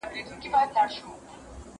زه مځکي ته نه ګورم